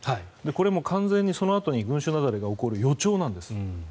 これはもう完全に、その後に群衆雪崩が起こる予兆なんです。